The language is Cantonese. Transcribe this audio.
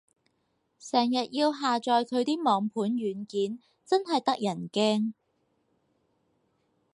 成日要下載佢啲網盤軟件，真係得人驚